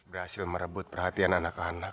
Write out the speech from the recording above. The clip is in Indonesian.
berhasil merebut perhatian anak anak